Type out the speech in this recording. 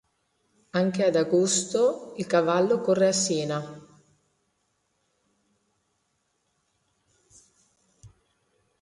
Anche ad agosto il cavallo corre a Siena.